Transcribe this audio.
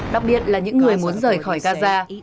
đặc biệt là những người muốn rời khỏi gaza